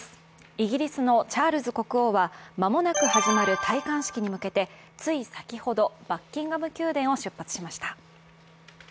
イギリスのチャールズ国王は間もなく始まる戴冠式に向けてつい先ほどバッキンガム宮殿を出発しました。